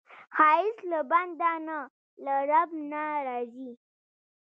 ښایست له بنده نه، له رب نه راځي